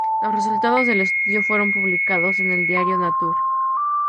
Los resultados del estudio fueron publicados en el diario "Nature".